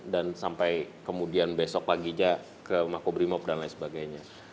dan sampai kemudian besok paginya ke makobrimob dan lain sebagainya